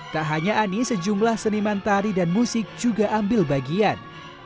tak hanya ani sejumlah seniman tari dan musik juga ambil bagian